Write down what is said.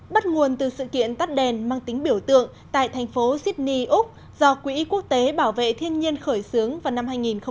bắt nguồn từ sự kiện tắt đèn mang tính biểu tượng tại thành phố sydney úc do quỹ quốc tế bảo vệ thiên nhiên khởi xướng vào năm hai nghìn một mươi